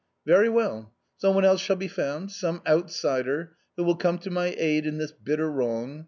" Very well ; some one else shall be found, some outsider, who will come to my aid in this bitter wrong.